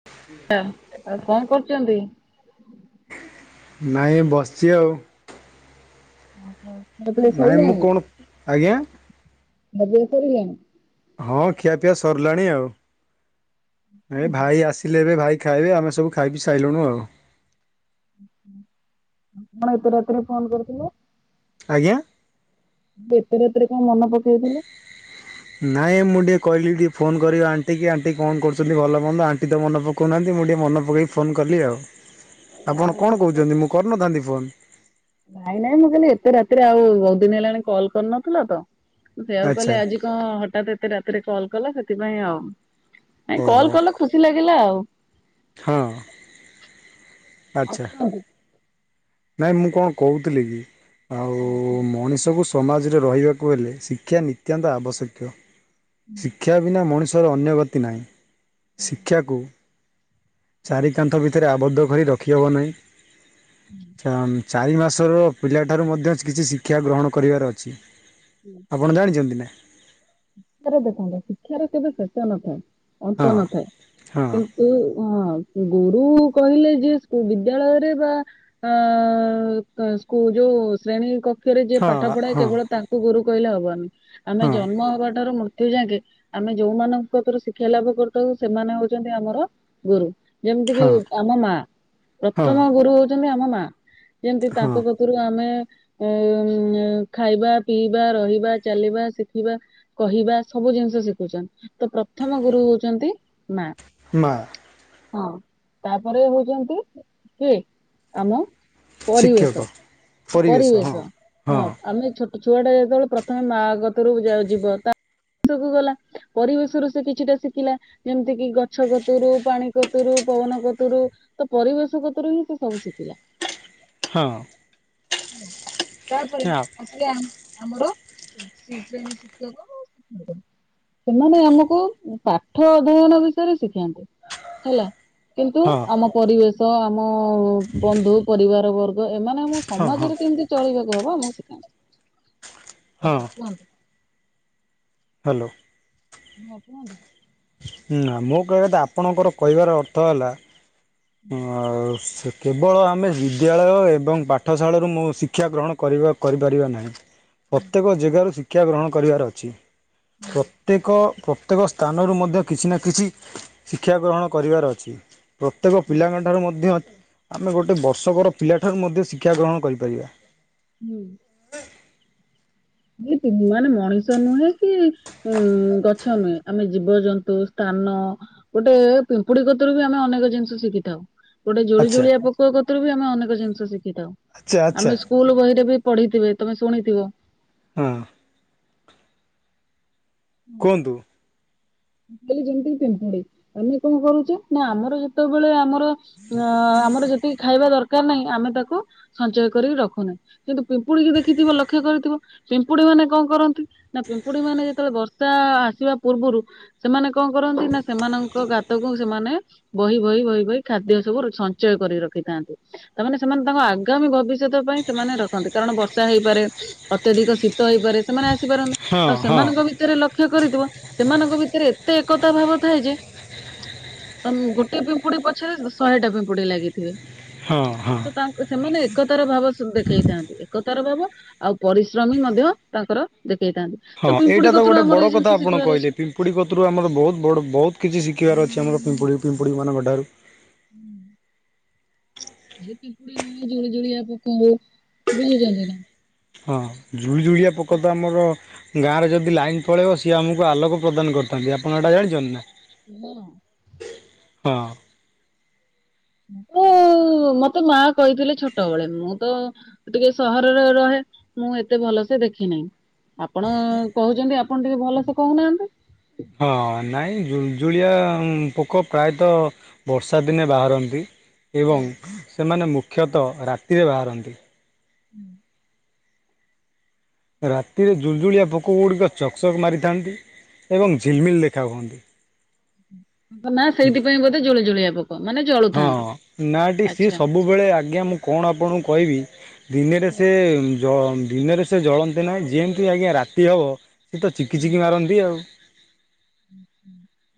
[inaudible] ଆଚ୍ଛା। ଆଉ କଣ କରୁଛନ୍ତି? ନାଇ, ବସିଛି ଆଉ। ଓହୋ କିଆ, ପିଆ ନାଇଁ ମୁଁ ସଇଲାଣି। କଣ ଆଜ୍ଞା [unintelligible] ସରିଲାଣି। ହଁ, ଖିଆପିଆ ସରିଲାଣି ଆଉ, ଭାଇ ଆସି ଲେ, ଏବେ ଭାଇ ଖାଇବେ। ଆମେ ସବୁ ଖାଇ-ପିଇ ସାଇଲୁଣୁ ଆଉ। ଆପଣ ଏତେ ରାତିରେ ଫୋନ କରିଥିଲେ? ଆଜ୍ଞା। ଏତେ ରାତିରେ କଣ ମନେ ପକେଇଥିଲେ? ନାଇଁ, ମୁଁ ଟିକେ କହିଲି ଟିକେ ଫୋନ କରିବି ଆଣ୍ଟି କି, ଆଣ୍ଟି କଣ କରୁଛନ୍ତି, ଭଲ ମନ୍ଦ, ଆଣ୍ଟି ତ ମନ ପକ ଉ ନାହାନ୍ତି, ମୁଁ ଟିକେ ମନ ପକେଇ ଫୋନ୍ କଲି ଆଉ। [inaudible] ଆପଣ କଣ କହୁଛନ୍ତି, ମୁଁ କରିନଥାନ୍ତି ଫୋନ? ନାଇଁ, ନାଇଁ, ମୁଁ କହିଲି ଏତେ ରାତିରେ ଆଉ ବହୁ ଦିନ ହେଲାଣି କଲ କରିନଥିଲ, ତ ସେଆକୁ ଆଚ୍ଛା କହିଲି ଆଜି ହଁ, ହଠାତ୍ ଏତେ ରାତିରେ କଲ୍ କଲ, ସେଥିପାଇଁ ଆଉ, ନାଇଁ, ଓହୋ କଲ୍ କଲ, ଖୁସି ଲାଗିଲା ଆଉ। ହଁ, ଆଉ ଆଚ୍ଛା। କଣ ନାଇଁ, ମୁଁ କଣ କହୁଥିଲି କି? ଆଉ-ଉ ଶିକ୍ଷାର ମଣିଷକୁ ସମାଜରେ ରହିବାକୁ ହେଲେ ଶିକ୍ଷା ନିତ୍ୟାନ୍ତ ଆବଶ୍ୟକ୍ୟ। ଶିକ୍ଷା ବିନା ମଣିଷ ର ଅନ୍ୟ ଗତି ନାହିଁ। ଶିକ୍ଷାକୁ ଚାରି କାନ୍ଥ ଭିତରେ ଆବଦ୍ଧ କରି ରଖିହବ ନାହିଁ। ହୁଁ ଚା ଚାରି ମାସର ପିଲାଠାରୁ ମଧ୍ୟ କିଛି ଶିକ୍ଷା ଗ୍ରହଣ କରିବାର ଅଛି। ହୁଁ ଆପଣ ଜାଣିଛନ୍ତି ନା? ଶିକ୍ଷାର ଦେଖନ୍ତୁ। ଶିକ୍ଷାର କେବେ ଶେଷ ନଥାଏ। ହଁ ଅନ୍ତ ନଥାଏ। ହଁ ହଁ ଗୁରୁ କହିଲେ ଯେ ସ୍କୁ ବିଦ୍ୟାଳୟରେ ବା ଅ ସ୍କୁ ଯୋଉ ଶ୍ରେଣୀ କକ୍ଷରେ ଯିଏ ହଁ ପାଠ ପଢାଏ ହଁ କେବଳ ତାଙ୍କୁ ଗୁରୁ କହିଲେ ହବନି। ଆମେ ହଁ ଜନ୍ମ ହେବା ଠାରୁ ମୃତ୍ୟୁ ଯାଙ୍କେ ଆମେ ଯୋଉମାନଙ୍କ କତିରୁ ଶିକ୍ଷା ଲାଭ କରିଥାଉ ସେମାନେ ହଉଛନ୍ତି ଆମର ଗୁରୁ। ଯେମିତି କିି ହଁ ଆମ ମା। ହଁ ପ୍ରଥମ ଗୁରୁ ହଉଛନ୍ତି ଆମ ମା। ଯେମିତି ହଁ ତାଙ୍କ କତୁରୁ ଆମେ ଖାଇବା, ପିଇବା, ରହିବା, ଚାଲିବା, ଶିଖିବା କହିବା ସବୁ ଜିନିଷ ଶିଖୁଛନ୍ତି। ତ ପ୍ରଥମ ଗୁରୁ ହଉଛନ୍ତି ମା। ମା। ହଁ ତାପରେ ହଉଛନ୍ତି କିଏ? ଆମ ଶିକ୍ଷକ ପରିବେଶ ପରିବେଶ ହଁ ଆମେ ଛୋ ଛୁଆ ଟା ଯେତେବେଳେ ପ୍ରଥମେ ମାଆ କତିରୁ ଯା ଯିବ ତା ଗଲା ପରିବେଶରୁ ସେ କିଛିଟା ଶିଖିଲା। ଯେମିତି କି ଗଛ କତୁରୁ, ପାଣି କତୁରୁ, ପବନ କତୁରୁ ତ ପରିବେଶ କତୁରୁ ହିଁ ସେ ସବୁ ଶିଖିଲା। ହଁ। ତାପରେ ଆଉ ଆସିଲେ ଆମର ଶେ ଶ୍ରେଣୀ ଶିକ୍ଷକ। [unintelligible] ସେମାନେ ଆମକୁ ପାଠ ଅଧ୍ୟୟନ ବିଷୟରେ ଶିଖାନ୍ତି ହେଲା। କିନ୍ତୁ ହଁ ଆମ ପରିବେଶ ଆମ ବନ୍ଧୁ ପରିବାର ବର୍ ଗ ଏମାନେ ଆମକୁ ହଁ ହଁ ସମାଜରେ କେମିତି ଚଳିବାକୁ ହବ ଆମକୁ ହଁ ଶିଖାନ୍ତି। ହ୍ୟାଲୋ। ହଁ କୁହନ୍ତୁ। ହୁଁ ନା ମୋ କହିବା କଥା ଆପଣଙ୍କର କହିବାର ଅର୍ଥ ହେଲା ଆଉ ସେ କେବଳ ଆମେ ବିଦ୍ୟାଳୟ ଏବଂ ପାଠଶାଳାରୁ ମୁଁ ଶି ଶିକ୍ଷା ଗ୍ରହଣ କରିବା କରିପାରିବା ନାହିଁ। ପ୍ରତ୍ୟେକ ଜେଗାରୁ ଶିକ୍ଷା ଗ୍ରହଣ କରିବାର ଅଛି। ପ୍ରତ୍ୟେକ ପ୍ରତ୍ୟେକ ସ୍ଥାନରୁ ମଧ୍ୟ କିଛି ନା କିଛି ଶିକ୍ଷା ଗ୍ରହଣ କରିବାର ଅଛି। ପ୍ରତ୍ୟେକ ପିଲାଙ୍କଠାରୁ ମଧ୍ୟ ଆମେ ଗୋଟେ ବର୍ଷକର ପିଲାଠାରୁ ମଧ୍ୟ ଶିକ୍ଷା ଗ୍ରହଣ କରିପାରିବା। ହୁଁ। ଯେହେତୁ ମାନେ ମଣିଷ ନୁହେଁ କି ଉଁ ଗଛ ନୁହେଁ ଆମେ ଜୀବଜନ୍ତୁ ସ୍ଥାନ ଗୋଟେ ପିମ୍ପୁଡି କତରୁ ବି ଆମେ ଅନେକ ଜିନିଷ ଶିଖିଥାଉ। ଗୋଟେ ଜୁଳି ଆଚ୍ଛା ଜୁଳିଆ ପୋକ କତରୁ ବି ଆମେ ଅନେକ ଜିନିଷ ଶିଖିଥାଉ, ଆଚ୍ଛା ଆଚ୍ଛା ଆମେ ସ୍କୁଲ ବହିରେ ବି ପଢିଥେବେ ତମେ ଶୁଣିଥିବ? ହଁ। କୁହନ୍ତୁ। ଯେମିତି ପିମ୍ପୁଡି ଆମେ କଣ କରୁଛେ ନା ଆମର ଯେତେବେଳେ ଆମର ଆମର ଯେତିକି ଖାଇବା ଦରକାର ନାହିଁ ଆମେ ତାକୁ ସଞ୍ଚୟ କରିକି ରଖୁନା। କିନ୍ତୁ ପିମ୍ପୁଡିକି ଦେଖିଥିବ ଲକ୍ଷ୍ୟ କରିଥିବ। ପିମ୍ପୁଡି ମାନେ କଣ କରନ୍ତି, ନା ପିମ୍ପୁଡି ମାନେ ଯେତେବେଳେ ବର୍ଷା ଆସିବା ପୂର୍ବରୁ ସେମାନେ କଣ କରନ୍ତି, ନା ସେମାନଙ୍କ ଗାତକୁ ସେମାନେ ବହି ବହି ବହି ବହି ଖାଦ୍ୟ ସବୁ ସଞ୍ଚୟ କରି ରଖିଥାନ୍ତି, ତାମାନେସେମାନେ ତାଙ୍କ ଆଗାମୀ ଭବିଷ୍ୟ ତ ପାଇଁ ସେମାନେ ରଖନ୍ତି କାରଣ ବର୍ଷା ହେଇପାରେ ଅତ୍ୟଧିକ ଶୀତ ହେଇପାରେ। ସେମାନେ ଆସିପାରନ୍ତି ହଁ ଆଉ ହଁ ସେମାନଙ୍କ ଭିତରେ ଲକ୍ଷ୍ୟ କରିଥିବ ସେମାନଙ୍କ ଭିତ ତେରେ ଏତେ ଏକତା ଭାବ ଥାଏ ଯେ ତମ୍ ଗୋଟେ ପିମ୍ପୁଡି ପଛରେ ଶହେ ଟା ପିମ୍ପୁଡି ଲାଗିଥିବେ। ହଁ ହଁ। ତ ତାଙ୍କ ସେମାନେ ଏକତାର ଭାବ ସଁ ଦେଖେଇଥାନ୍ତି, ଏକତାର ଭାବ ଆଉ ପରିଶ୍ରମୀ ମଧ୍ୟ ତାଙ୍କର ଦେଖେଇଥାନ୍ତି। ତ ହଁ ପିମ୍ପୁଡି ଏଇଟା ତ କତରୁ ଗୋଟେ ଆମର ବଡ ଏଇ ଜିନିଷ କଥା ଆପଣ ଶିଖିବାର ଅଛି। କହିଲେ ପିମ୍ ପିମ୍ପୁଡି କତୁରୁ ଆମର ବହୁତ ବଡ ବହୁତ କିଛି ଶିଖିବାର ଅଛି ଆମର ପିମ୍ପୁଡି ପିମ୍ପୁଡିମାନଙ୍କ ଠାରୁ। ହୁଁ। ଖାଲି ପିମ୍ପୁଡି ନୁହେଁ ଜୁଳୁ ଜୋଳିଆ ପୋକ ହଉ ବୁଝୁଛନ୍ତି ନା। ହଁ ଜୁଳୁ ଜୁଳିଆ ପୋକ ତ ଆମର ଗାଁରେ ଯଦି ଲାଇନ ପଳେଇବ ସିଏ ଆମକୁ ଆଲୋକ ପ୍ରଦାନ କରିଥାନ୍ତି ଆପଣ ଏଇଟା ଜାଣିଛନ୍ତି ନାଁ। ହେଲୋ। ହଁ। ଉଁ ମତେ ମା କହିଥିଲେ ଛୋଟବେଳେ ମୁଁ ତ ମୁଁ ଟିକେ ସହରରେ ରହେ ମୁଁ ଏତେ ଭଲସେ ଦେଖି ନାହିଁ। ଆପଣ ଅଁ କହୁଛନ୍ତି ଆପଣ ଟିକେ ଭଲ ସେ କହୁନାହାନ୍ତି। ହଁ ନାଇଁ ଜୁଳୁ ଜୁଳିଆ ଉଁ ପୋକ ପ୍ରାୟ ତ ବର୍ଷା ଦିନେ ବାହାରନ୍ତି ଏବଂ ସେମାନେ ମୁଖ୍ୟତଃ ରାତିରେ ବାହାରନ୍ତି ହୁଁ ରାତିରେ ଜୁଳୁ ଜୁଳିଆ ପୋକ ଗୁଡିକ ଚକଚକ୍ ମାରିଥାନ୍ତି ଏବଂ ଝିଲମିଲ୍ ଦେଖା ହୁଅନ୍ତି ତା ନାଁ ସେଇଥିପାଇଁ ବୋଧେ ଜୁଳି ଜୁଳିଆ ପୋକ ମାନେ ଜଳୁ ହଁ ନାଁ ଟିକେ ସିଏ ସବୁ ସବୁବେଳେ ଆଜ୍ଞା ମୁଁ କଣ ଆପଣଙ୍କୁ କହିବି ଦିନରେ ସେ ଉଁ ଜ ଦିନେରେ ସେ ଜଳନ୍ତି ନାହିଁ ଯେମେତି ଆଜ୍ଞା ରାତି ହବ ସିଏତ ଚିକି ଚିକି ମାରନ୍ତି ଆଉଁ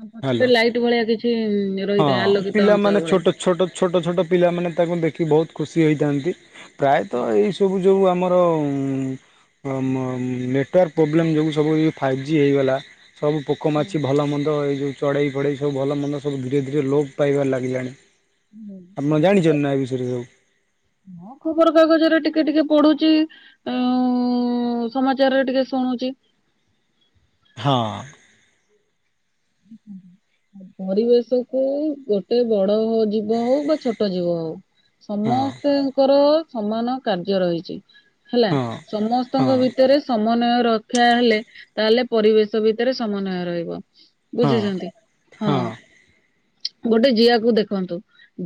ତା ପଛରେ ଲାଇଟ ଭଳିଆ କିଛି ଏଁପ୍ ହଁ ପିଲାମାନେ ଛୋଟ ଛୋଟ ଛୋଟ ଛୋଟ ପିଲାମାନେ ତାଙ୍କୁ ଦେଖି ବହୁତ ଖୁସି ହୋଇଥାନ୍ତି ପ୍ରାୟତଃ ଏଇ ସବୁ ତୁବି ଯଉଁ ଆମର ଉଁ ଓଁ ମ୍ ମ୍ ନେଟୱାର୍କ ପ୍ରୋବ୍ଲେମ୍ ଯୋଗୁଁ ସବୁ ଏଇଯଉ ଫାଇଭ୍ ଜି ହେଇଗଲା ସବୁ ପୋକ ମାଛି ଭଲମନ୍ଦ ଏଇ ଯେଉଁ ଚଢେଇ ଫଡେଇ ସବୁ ଭଲ ମନ୍ଦ ସବୁ ଧୀରେ ଧୀରେ ଲୋପ୍ ପାଇବାରେ ଲାଗିଲାଣି ହୁଁ ତମେ ଜାଣିଛନ୍ତି ନାଁ ଏ ବିଷୟରେ ସବୁ ହଁ ଖବର କାଗଜରେ ଟିକେ ଟିକେ ପଢୁଛି ଆଉଁ ଉଁ ସମାଚାରରେ ଟିକେ ଶୁଣୁଛି ହଁ ହଁ ପରିବେଶ କୁ ଗୋଟେ ବଡଅଁ ଜୀବ ହଉ ବା ଛୋଟ ଜୀବ ହଉ ହଁ ସମସ୍ତେଙ୍କର ସମାନ କାର୍ଯ୍ୟ ରହିଛି ହେଲା ହଁ ହଁ ସମସ୍ତଙ୍କ ଭିତରେସଁ ସମନ୍ୱୟ ରଖ୍ୟା ହେଲେ ତାହେଲେ ପରିବେଶ ଭିତରେ ସମନ୍ୱୟ ରହିବ ହଁ ବୁଝୁଛନ୍ତି ହଁ ଚୁଁ ଗୋଟେ ଜିଆକୁ ଦେଖନ୍ତୁ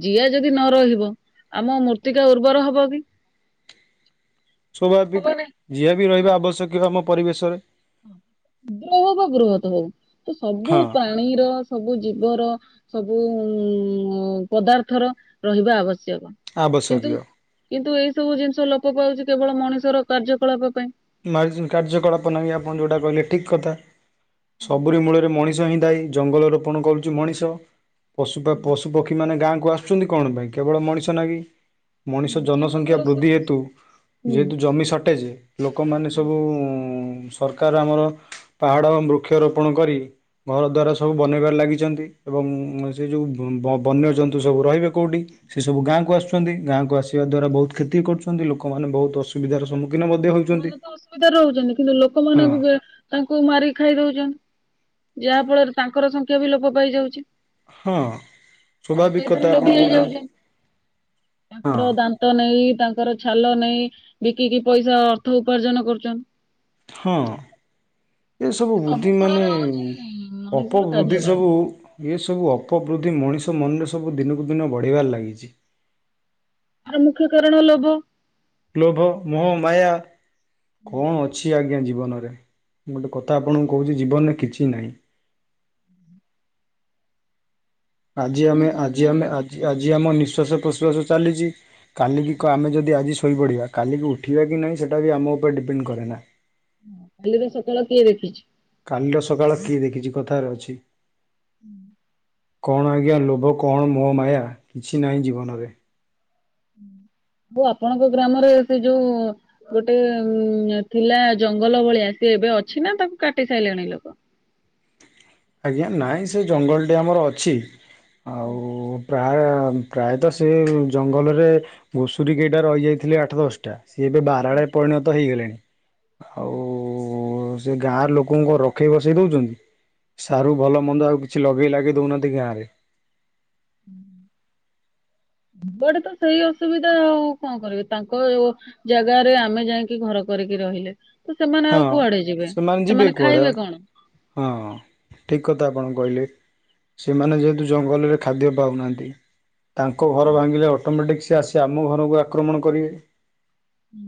ଜିଆ ଯଦି ନ ରହିବ ଆମ ମୂର୍ତ୍ତିକା ଉର୍ବର ହବ କି ସ୍ୱାଭାବିକ ଜିଆ ବି ରହିବା ଆବଶ୍ୟକ ଆମ ପରିବେଶରେ ଗ୍ରୋହ ବା ଗୃହତ ହଉ ତ ସବୁ ହଁ ପ୍ରାଣୀର ସବୁ ଜୀବର ସବୁ ଉଁ ପଦାର୍ଥର ରହିବା ଆବଶ୍ୟକ କିନ୍ତୁ ଆବଶ୍ୟକୀୟ କିନ୍ତୁ ଏଇ ସବୁ ଜିନିଷ ଲୋପ ପାଉଛି କେବଳ ମଣିଷର କାର୍ଯ୍ୟକଳାପ ପାଇଁ। ମାଉସୀ କାର୍ଯ୍ୟକଳାପ ନାହିଁ ଆପଣ ଯୋଉଟା କହିଲେ ଠିକ କଥା। ସବୁରି ମୂଳ ମଣିଷ ହିଁ ଦାଇ ଜଙ୍ଗଲ ରୋପଣ କରୁଛି ମଣିଷ। ପଶୁ ବା ପଶୁ ପକ୍ଷୀ ମାନେ ଗାଁକୁ ଆସୁ ଛନ୍ତି କଣ ପାଇଁ କେବଳ ମଣିଷ ଲାଗି। ମଣିଷ ଜନସଂଖ୍ୟା ବୃଦ୍ଧି ହେତୁ ହୁଁ ଯେହେତୁ, ଜମି ସଟେଜ ଲୋକମାନେ ସବୁ ସରକାର ଆମର ପାହାଡ଼ ବୃକ୍ଷରୋପଣ କରି ଘର ଦ୍ୱାରା ସବୁ ବନାଇବାରେ ଲାଗିଛନ୍ତି। ଏବଂ ସେ ଯଉ ବ ବନ୍ୟଜନ୍ତୁ ସବୁ ରହିବେ କଉଠି। ସେ ସବୁ ଗାଁକୁ ଆସୁଛନ୍ତି। ଗାଁକୁ ଆସିବା ଦ୍ଵାରା ବହୁତ କ୍ଷତି କରୁଛନ୍ତି। ଲୋକମାନେ ବହୁତ ଅସୁବିଧାର ସମ୍ମୁଖୀନ ଦିନ ମଧ୍ୟ ହଉଛି ଲୋକମାନେ ତ ଅସୁବିଧାରେ ରହୁଛନ୍ତି। କିନ୍ତୁ ଲୋକମାନ ଙ୍କୁ ବି ତାଙ୍କୁ ମାରି ଖାଇ ଦଉଛନ୍ତି, ଯାହା ଫଳରେ ତାଙ୍କର ସଂଖ୍ୟା ବି ଲୋପ ପାଇଯାଉଛି। ହଁ ମଣିଷ ସ୍ୱାଭାବିକ ଏଥିରୁ କଥା ଆପଣ ଲୋଭି କହୁଛନ୍ତି ହେଇଯାଉଛି। ହଁ ତାଙ୍କର ଦାନ୍ ଦାନ୍ତ ନେଇ ତାଙ୍କର ଛାଲ ନେଇ ବିକିକି ପଇସା ଅର୍ଥ ଉପାର୍ଜନ କରୁଛନ୍ତି। ହଁ। ଏ ସବୁ ବୁଦ୍ଧି ମାନେ ଅପ ମଣିଷର ବୃଦ୍ଧି କାର୍ଯ୍ୟକଳାପ ସବୁ ଏସବୁ ଅପବୃଦ୍ଧି ମଣିଷ ମନରେ ସବୁ ଦିନକୁ ଦିନ ବଢ଼ିବାରେ ଲାଗିଛି। ଆରେ ମୁଖ୍ୟ କାରଣ ଲୋଭ। ଲୋଭ ମୋହ ମାୟା କଣ ଅ ଛି ଆଜ୍ଞା ଜୀବନରେ ମୁଁ ଗୋଟେ କଥା ଆପଣଙ୍କୁ କହୁଛି ଜୀବନରେ କିଛି ନାହିଁ। ଆଜି ଆମେ ଆଜି ଆମେ ଆଜି ଆଜି ଆମ ନିଃଶ୍ଵାସ ପ୍ରଶ୍ଵାସ ଚାଲିଛି। କାଲିକି ଆମେ ଯଦି ଆଜି ଶୋଇପଡ଼ିବା କାଲିକି ଉଠିବା କି ନାହିଁ ସେଇଟା ବି ଆମ ଉପରେ ଡିପେଣ୍ଡ କରେ ନା। କାଲି ର ସକାଳ କିଏ ଦେଖିଛି? କାଲିର ସକାଳ କିଏ ଦେଖିଛି କଥାରେ ଅଛି। କଣ ଆଜ୍ଞା ଲୋଭ କଣ ମୋହ ମାୟା କିଛି ନାହିଁ ଜୀବନରେ। କିନ୍ତୁ ଆପଣଙ୍କ ଗ୍ରାମରେ ଏବେ ଯୋଉ ଗୋଟେ ଥିଲା ଜଙ୍ଗଲ ଭଳିଆ ସିଏ ଏବେ ଅଛି ନା ତାକୁ କାଟି ସାରିଲେଣି ଲୋକ। ଆଜ୍ଞା ନାଇଁ ସେ ଜଙ୍ଗଲଟି ଆମର ଅଛି। ଆଉ ପ୍ରାୟ ପ୍ରାୟତଃ ସେ ଜଙ୍ଗଲରେ ଘୁଷୁରୀ କେଇଟା ରହିଯାଇଥିଲେ ଆଠ ଦଶଟା। ସିଏ ଏବେ ବାରା ରେ ପରିଣତ ହେଇଗଲେଣି। ଆଉ ଓ ସେ ଗାଁର ଲୋକଙ୍କୁ ରଖେଇ ବସେଇ ଦେଉଛନ୍ତି। ସାରୁ ଭଲ ମନ୍ଦ ଆଉ କିଛି ଲଗେଇ ଲାଗେଇ ଦେଉନାହାନ୍ତି ଗାଁରେ। ସେପଟେ ତ ସେଇ ଅସୁବିଧା ଆଉ କଣ କହିବି ତାଙ୍କ ଜାଗାରେ ଆମେ ଯାଇକି ଘର କରିକି ରହିଲେ। ତ ସେମାନେ ହଁ। ଆଉ କୁଆଡେ ଯିବେ ଯିବେ ସେମାନେ କୁଆଡ଼େ ଖାଇବେ କଣ? ହଁ ଠିକ୍ କଥା ଆପଣ କହିଲେ। ସେମାନେ ଯେହେତୁ ଜଙ୍ଗଲରେ ଖାଦ୍ୟ ପାଉନାହାନ୍ତି ତାଙ୍କ ଘର ଭାଙ୍ଗିଲେ ଅଟୋମେଟିକ୍ ସେ ଆସି ଆମ ଘରକୁ ଆକ୍ରମଣ କରିବେ। ହୁଁ।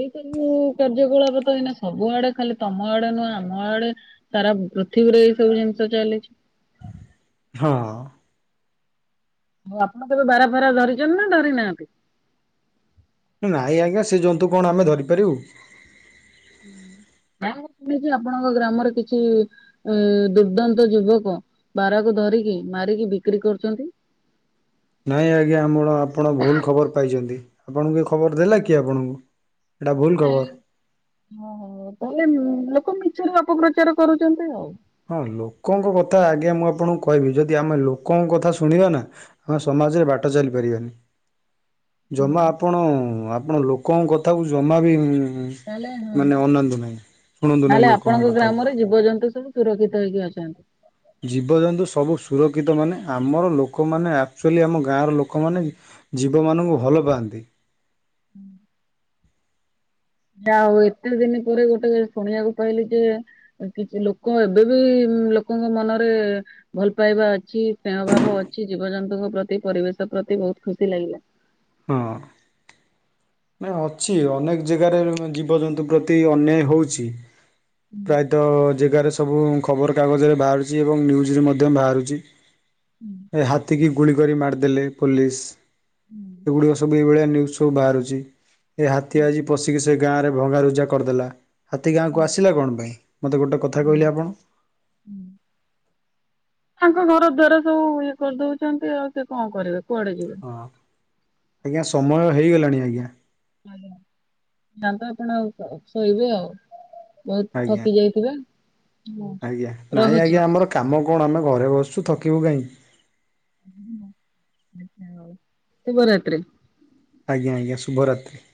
ଏହି ସବୁ କାର୍ଯ୍ୟକଳାପ ତ ଏଇନା ସବୁ ଆଡେ ଖାଲି ତମ ଆଡେ ନୁହଁ ଆମ ଆଡେ। ସାରା ପୃଥିବୀରେ ଏଇ ସବୁ ଜିନିଷ ଚାଲିଛି। ହଁ। ଆଉ ଆପଣ କେବେ ବାରା ଫାରା ଧରିଛନ୍ତି ନା ଧରି ନାହାନ୍ତି? ନାଇଁ ଆଜ୍ଞା ସେ ଜନ୍ତୁ କଣ ଆମେ ଧରିପାରିବୁ? ହଁ ମୁଁ ଶୁଣିଛି ଆପଣଙ୍କ ଗ୍ରାମର କିଛି ଏ ଦୁର୍ଦ୍ଦାନ୍ତ ଯୁବକ ବାରାକୁ ଧରିକି ମାରିକି ବିକ୍ରି କରୁଛନ୍ତି। ନାଇଁ ଆଜ୍ଞା ଆମର ଆପଣ ଭୁଲ ଖବର ପାଇଛନ୍ତି। ଆପଣଙ୍କୁ ଏ ଖବର ଦେଲା କିଏ ଆପଣଙ୍କୁ ଏଇଟା ଭୁଲ ଖବର। ଓ ହୋ ତାହେଲେ ଲୋକ ମିଛରେ ଅପପ୍ରଚାର କରୁଛନ୍ତି ଆଉ। ହଁ ଲୋକଙ୍କ କଥା ଆଜ୍ଞା ମୁଁ ଆପଣଙ୍କୁ କହିବି, ଯଦି ଆମେ ଲୋକଙ୍କ କଥା ଶୁଣିବା ନା ଆମେ ସମାଜରେ ବାଟ ଚାଲିପାରିବାନି। ଜମା ଆପଣ ଆପଣ ଲୋକଙ୍କ କଥାକୁ ଜମା ବି ତାହେଲେ ମାନେ ଅନାନ୍ତୁ ନାହିଁ ଶୁଣନ୍ତୁ ନାହିଁ ଲୋକ ଙ୍କ କଥାକୁ। ଜୀବ ଜନ୍ତୁ ସବୁ ସୁରକ୍ଷିତ ହେଇକି ଅଛନ୍ତି। ଜୀବଜନ୍ତୁ ସବୁ ସୁରକ୍ଷିତ ମାନେ ଆମର ଲୋକମାନେ ଆକ୍ଚୁଲି ଆମ ଗାଁର ଲୋକ ମାନେ ଜୀବ ମାନଙ୍କୁ ଭଲ ପାଆନ୍ତି। ଆଉ ଏତେ ଦିନ ପରେ ଗୋଟେ ଶୁଣିବାକୁ ପାଇଲି ଯେ କିଛି ଲୋକ ଏବେ ବି ଲୋକ ଙ୍କ ମନରେ। ଭଲ ପାଇବା ଅଛି ସ୍ନେହ୍ ଭାବ ଅଛି ଜୀବଜନ୍ତୁ ଙ୍କ ପ୍ରତି ପରିବେଶ ପ୍ରତି ବହୁତ ଖୁସି ଲାଗିଲା। ହଁ। ନାଁ ଅଛି ଅନେକ ଜାଗା ରେ ଜୀବଜନ୍ତୁ ପ୍ରତି ଅନ୍ୟାୟ ହଉଛି ପ୍ରାୟ ତ ଜେଗା ରେ ସବୁ ଖବର କାଗଜ ରେ ବାହାରୁଛି ଏବଂ ନ୍ୟୁଜ୍ ରେ ମଧ୍ୟ ବାହାରୁଛି। ହାତୀ କିି ଗୁଳି କରି ମାରିଦେଲେ ପୋଲିସ୍ ଏଗୁଡିକ ସବୁ ଏଇ ଭଳିଆ ନ୍ୟୁଜ୍। ସବୁ ବାହାରୁଛି। ଏ ହାତୀ ଆଜି ପଶିକି ସେ ଗାଁରେ ଭଙ୍ଗାରୁୁଜା କରିଦେଲା ହାତୀ ଗାଁ କୁ ଆସିଲା କଣ ପାଇଁ ମତେ ଗୋଟେ କଥା କହିଲେ ଆପଣ। ହୁଁ। ତାଙ୍କ ଘର ଦ୍ଵାର ସବୁ ଇଏ କରି ଦଉଛନ୍ତି ଆଉ ସେ କଣ କରିବେ କୁଆଡେ ଯିବେ। ହଁ ଆଜ୍ଞା ସମୟ ହେଇ ଗଲାଣି ଆଜ୍ଞା। ଆଜ୍ଞା [inaudible] ଆପଣ ଆଉ ଶୋଇବେ ଆଉ ବହୁତ ଆଜ୍ଞା। ଥକି ଯାଇ [unintelligible] ଆଜ୍ଞା ନାଇଁ ଆଜ୍ଞା ଆମର କାମ କଣ ଆମେ ଘରେ ବସିଛୁ ଥକିବୁ କାହିଁକି। ଶୁଭ ରାତ୍ରୀ। ଆଜ୍ଞା-ଆଜ୍ଞା ଶୁଭ ରାତ୍ରୀ।